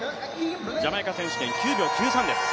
ジャマイカ選手権、９秒９３です。